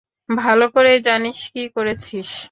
ভালো করেই জানিস কী করেছিস।